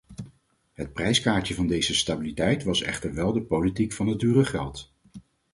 Het prijskaartje van deze stabiliteit was echter wel de politiek van het dure geld.